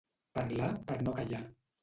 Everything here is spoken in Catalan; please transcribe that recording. Parlar per no callar.